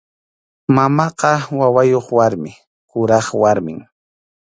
Mamaqa wawayuq warmi, kuraq warmim.